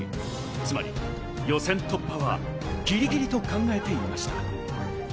つまり予選突破はギリギリと考えていました。